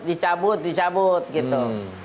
dicabut dicabut gitu